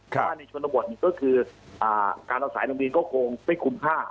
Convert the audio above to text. ครับว่าในชนบทนี่ก็คืออ่าการเอาสายลงบินก็คงไม่คุ้มค่า